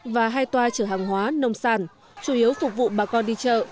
và hai toa chở hàng hóa nông sản chủ yếu phục vụ bà con đi chợ